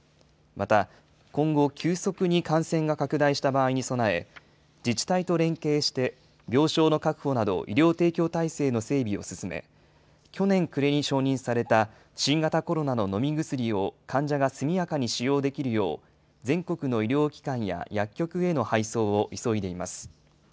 また今後、急速に感染が拡大した場合に備え、自治体と連携して、病床の確保など、医療提供体制の整備を進め、去年暮れに承認された新型コロナの飲み薬を患者が速やかに使用できるよう、全国の医療機関や薬局への配送を急いでいます。